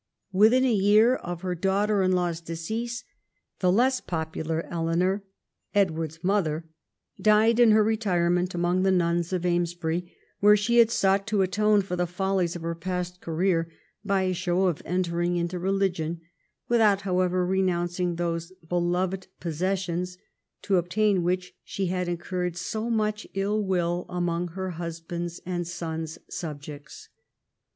Within a year of her daughter in law's decease the less popular Eleanor, Edward's mother, died in her retirement among the nuns of Amesbury, where she had sought to atone for the follies of her past career by a show of entering into religion, without however re nouncing those beloved possessions, to obtain which she had incurred so much ill will among her husband's and son's subjects.